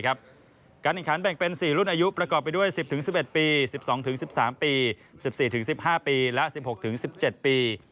การแข่งขันแบ่งเป็น๔รุ่นอายุประกอบไปด้วย๑๐๑๑ปี๑๒๑๓ปี๑๔๑๕ปีและ๑๖๑๗ปี